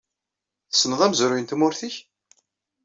Tessneḍ amezruy n tmurt-ik?